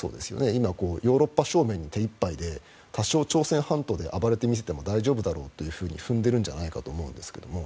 今、ヨーロッパ正面に手いっぱいで多少朝鮮半島方面で暴れて見せても大丈夫だろうと踏んでいるんじゃないかと思うんですけども。